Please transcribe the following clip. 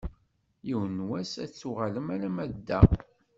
Yiwen n wass ad d-tuɣalem alamma d da.